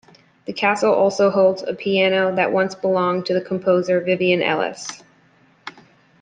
The castle also holds a piano that once belonged to the composer Vivian Ellis.